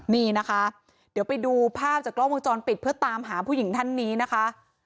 นี่นะคะเดี๋ยวไปดูภาพจากกล้องวงจรปิดเพื่อตามหาผู้หญิงท่านนี้นะคะ